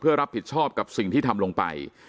รับผิดชอบกับสิ่งที่ทำลงไป